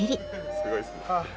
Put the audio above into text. すごいですね。